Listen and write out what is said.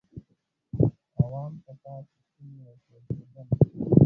عوام ته پاتې شوني ورکول کېدل.